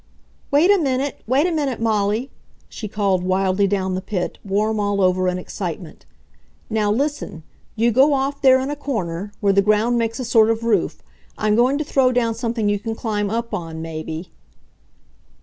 "Wait a minute! Wait a minute, Molly!" she called wildly down the pit, warm all over in excitement. "Now listen. You go off there in a corner, where the ground makes a sort of roof. I'm going to throw down something you can climb up on, maybe."